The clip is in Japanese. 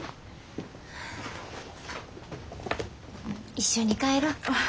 一緒に帰ろ。